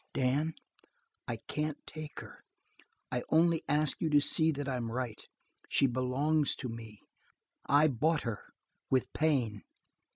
"Dan, I can't take her. I only ask you to see that I'm right. She belongs to me, I bought her with pain."